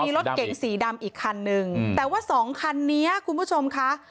มีรถเก๋งสีดำอีกคันนึงแต่ว่าสองคันนี้คุณผู้ชมค่ะ